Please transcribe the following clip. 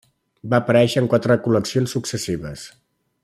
Va aparèixer en quatre col·leccions successives.